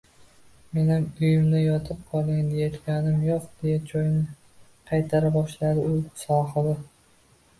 Menam uyimda yotib qoling, deyayotganim yo`q, deya choyni qaytara boshladi uy sohibi